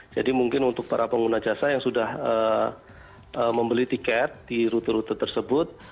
jadi mungkin untuk para pengguna jasa yang sudah membeli tiket di rute rute tersebut